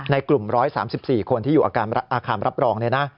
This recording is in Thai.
ในกลุ่ม๑๓๔คนที่อยู่อาคารรับรอง